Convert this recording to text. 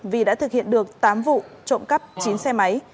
vi đã thực hiện được tám vụ trộm cấp chín xe máy